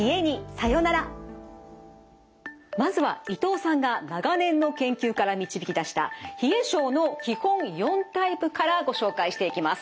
まずは伊藤さんが長年の研究から導き出した冷え症の基本４タイプからご紹介していきます。